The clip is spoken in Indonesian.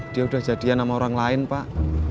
dia udah jadian sama orang lain pak